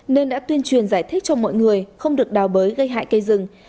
nên đã tuyên truyền giải thích cho mọi người không được đào bới gây hại cây rừng